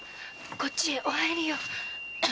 こっちへお入りよ。